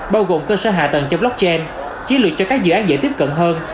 bao gồm cơ sở hạ tầng trong blockchain chiến lược cho các dự án dễ tiếp cận hơn